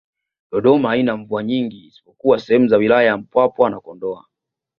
Dodoma haina mvua nyingi isipokuwa sehemu za wilaya za Mpwapwa na Kondoa